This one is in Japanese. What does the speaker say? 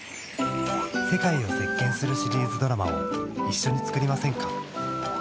世界を席巻するシリーズドラマを一緒に作りませんか？